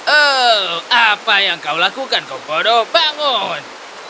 oh apa yang kau lakukan kau bodoh bangun